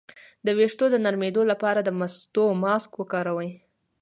د ویښتو د نرمیدو لپاره د مستو ماسک وکاروئ